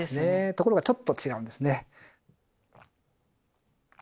ところがちょっと違うんですね。